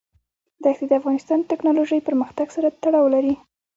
دښتې د افغانستان د تکنالوژۍ پرمختګ سره تړاو لري.